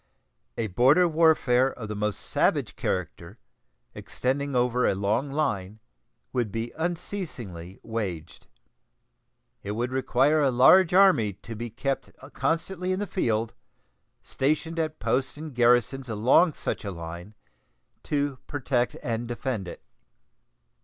A border warfare of the most savage character, extending over a long line, would be unceasingly waged. It would require a large army to be kept constantly in the field, stationed at posts and garrisons along such a line, to protect and defend it.